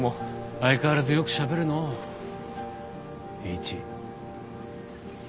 相変わらずよくしゃべるのう栄一。